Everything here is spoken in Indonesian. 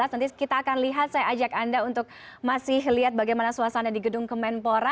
nanti kita akan lihat saya ajak anda untuk masih lihat bagaimana suasana di gedung kemenpora